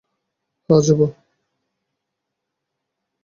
হ্যাঁ, যাব।